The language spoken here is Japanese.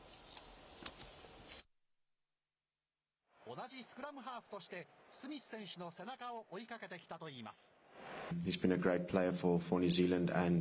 同じスクラムハーフとしてスミス選手の背中を追いかけてきたといいます。